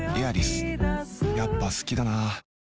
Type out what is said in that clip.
やっぱ好きだな